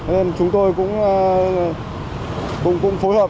nên chúng tôi cũng phối hợp